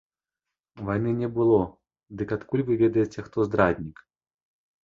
Вайны не было, дык адкуль вы ведаеце, хто здраднік?